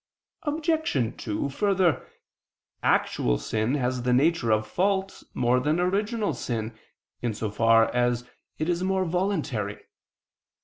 Obj. 2: Further, actual sin has the nature of fault more than original sin, in so far as it is more voluntary.